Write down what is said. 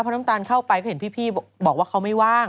เพราะน้ำตาลเข้าไปก็เห็นพี่บอกว่าเขาไม่ว่าง